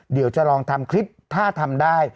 เดี๋ยวจะลองทำคลิปถ้าทำได้